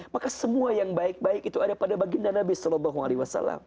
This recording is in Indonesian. maka semua yang baik baik itu ada pada baginda nabi saw